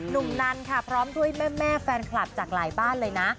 นันค่ะพร้อมด้วยแม่แฟนคลับจากหลายบ้านเลยนะ